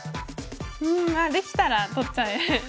うんできたら取っちゃえれば。